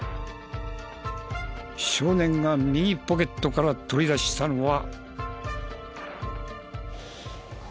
少年が右ポケットから取り出したのは。